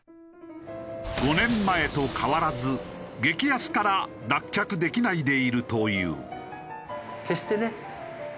５年前と変わらず激安から脱却できないでいるという。